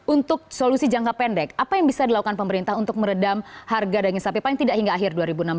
untuk solusi jangka pendek apa yang bisa dilakukan pemerintah untuk meredam harga daging sapi paling tidak hingga akhir dua ribu enam belas